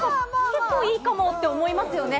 結構いいかも？と思いますよね。